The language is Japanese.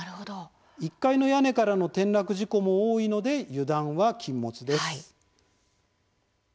１階の屋根からの転落事故も多いので油断は禁物です。